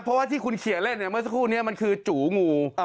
เพราะที่เคียดเล่นเป็นคุณนี่มันคือจู่งู